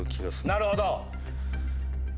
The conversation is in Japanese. なるほど！